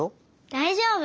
だいじょうぶ！